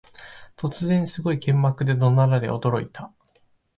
突然、すごい剣幕で怒鳴られ驚いた